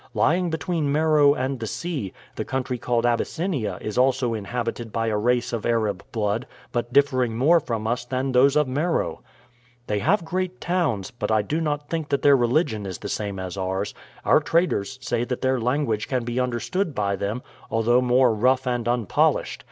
Lying between Meroe and the sea, the country called Abyssinia is also inhabited by a race of Arab blood, but differing more from us than those of Meroe. "They have great towns, but I do not think that their religion is the same as ours; our traders say that their language can be understood by them, although more rough and unpolished.